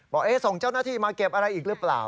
บอกส่งเจ้าหน้าที่มาเก็บอะไรอีกหรือเปล่า